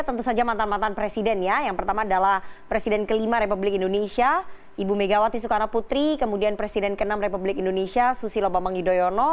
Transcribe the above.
tentu saja mantan mantan presiden ya yang pertama adalah presiden kelima republik indonesia ibu megawati soekarno putri kemudian presiden ke enam republik indonesia susilo bambang yudhoyono